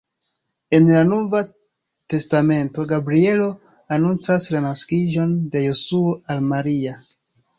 En la nova testamento Gabrielo anoncas la naskiĝon de Jesuo al Maria.